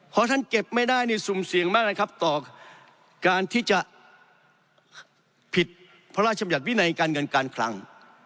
พอท่านเก็บไม่ได้นี่สุ่มเสี่ยงมากเลยครับต่อการที่จะผิดพระราชบัญญัติวินัยการเงินการคลัง